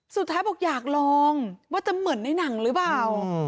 สุดท้ายบอกอยากลองว่าจะเหมือนในหนังหรือเปล่า